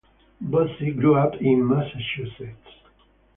Bossie grew up in Massachusetts.